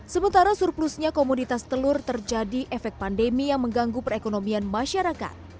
sementara surplusnya komoditas telur terjadi efek pandemi yang mengganggu perekonomian masyarakat